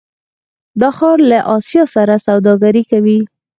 دا ښار له اسیا سره سوداګري کوي.